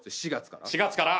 ４月から？